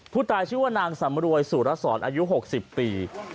ผู้ตายชื่อว่านางสำรวยสุรสรอายุ๖๐ปี